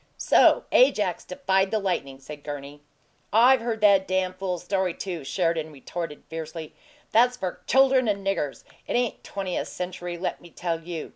"So Ajax defied the lightning," said Gurney. "I've heard that dam' fool story, too," Sheridan retorted, fiercely. "That's for chuldern and niggers. It ain't twentieth century, let me tell you!